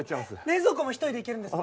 冷蔵庫も１人でいけるんですか？